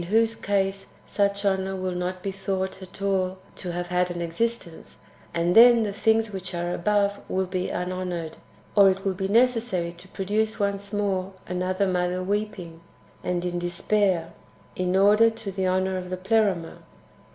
whose case sucli honour will not be thono; ht at all to have had an existence, and then the things which are above will be unhonoured ; or it will be necessary to produce once more another Mother weeping, and in despair, in order to the honour of the Pleroma.